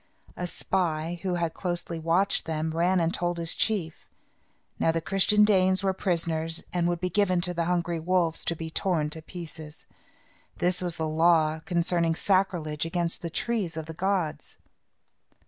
A spy, who had closely watched them, ran and told his chief. Now, the Christian Danes were prisoners and would be given to the hungry wolves to be torn to pieces. That was the law concerning sacrilege against the trees of the gods.